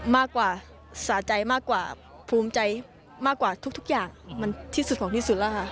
มากกว่าสะใจมากกว่าภูมิใจมากกว่าทุกอย่างมันที่สุดของที่สุดแล้วค่ะ